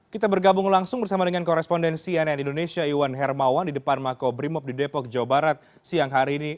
kita bergabung langsung bersama dengan korespondensi nn indonesia iwan hermawan di depan makobrimob di depok jawa barat siang hari ini